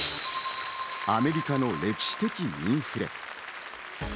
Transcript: アメリカの歴史的インフレ。